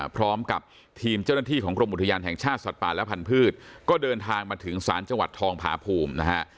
พร้อมกับทีมเจ้าหน้าที่ของกรมอุทยานแห่งชาติสัตว์ป่าและพันธุ์ก็เดินทางมาถึงศาลจังหวัดทองผาภูมินะฮะ